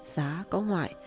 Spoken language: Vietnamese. giá có ngoại